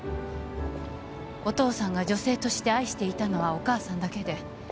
「お父さんが女性として愛していたのはお母さんだけで」